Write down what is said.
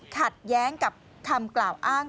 ขัดแย้งกับคำกล่าวอ้าง